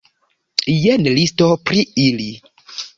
Jen listo pri ili.